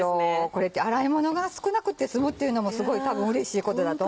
これって洗い物が少なくて済むっていうのも多分うれしいことだと。